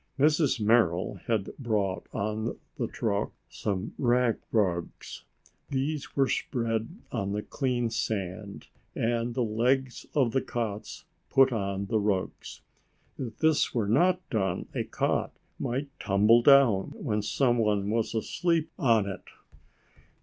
Mrs. Merrill had brought on the truck some rag rugs. These were spread on the clean sand and the legs of the cots put on the rugs. If this were not done, a cot might tumble down when somebody was asleep on it.